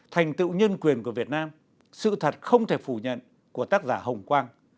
thành tựu nhân quyền của việt nam sự thật không thể phủ nhận của tác giả hồng quang